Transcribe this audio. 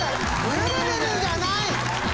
ルルルルルじゃない。